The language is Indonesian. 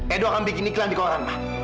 edo akan bikin iklan di koran